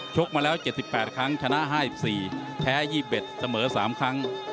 กมาแล้ว๗๘ครั้งชนะ๕๔แพ้๒๑เสมอ๓ครั้ง